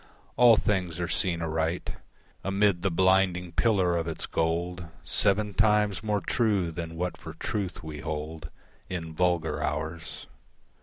All things are seen aright Amid the blinding pillar of its gold, Seven times more true than what for truth we hold In vulgar hours.